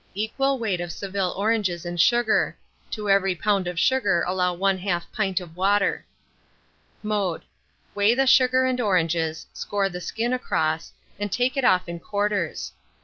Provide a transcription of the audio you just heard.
Equal weight of Seville oranges and sugar; to every lb. of sugar allow 1/2 pint of water. Mode. Weigh the sugar and oranges, score the skin across, and take it off in quarters.